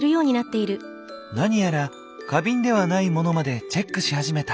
何やら花瓶ではないモノまでチェックし始めた。